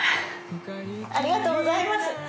ありがとうございます。